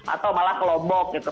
atau malah ke lombok gitu